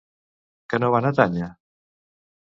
Què no van atènyer?